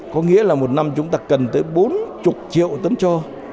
có nghĩa là một năm chúng ta cần tới bốn mươi triệu tấn trơ